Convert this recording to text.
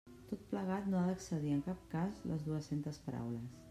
Tot plegat no ha d'excedir, en cap cas, les dues-centes paraules.